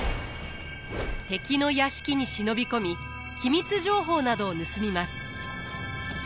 敵の屋敷に忍び込み機密情報などを盗みます。